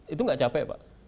itu gak capek pak